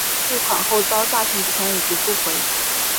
汇款后遭诈骗集团已读不回